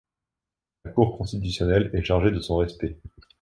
La Cour constitutionnelle est chargée de son respect.